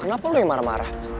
kenapa lu yang marah marah